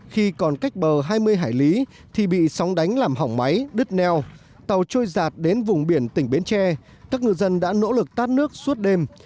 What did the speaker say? khi còn cách bờ hai mươi hải lý thì bị sóng đánh làm hỏng máy đứt neo tàu trôi giạt đến vùng biển tỉnh bến tre các ngư dân đã nỗ lực tát nước suốt đêm